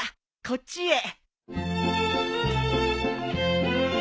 こっちへ。